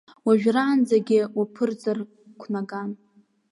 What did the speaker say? Уажәраанӡагьы уаԥырҵыр қәнаган!